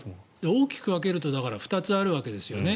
大きく分けると２つあるわけですよね。